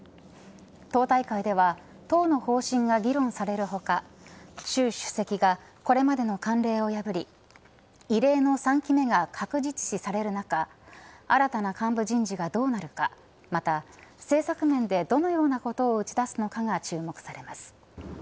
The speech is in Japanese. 党大会では党の方針が議論される他習主席が、これまでの慣例を破り異例の３期目が確実視される中新たな幹部人事がどうなるかまた政策面でどのようなことを打ち出すのかが注目されます。